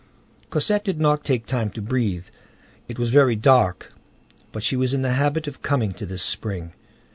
Cosette did not take time to breathe. It was very dark, but she was in the habit of coming to this spring.